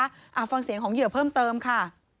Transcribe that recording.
อ่าฟังเสียงของเหยื่อเพิ่มเติมค่ะ